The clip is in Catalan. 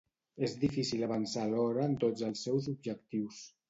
És difícil avançar alhora en tots els seus objectius.